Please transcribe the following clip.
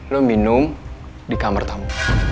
lo minum di kamar tamu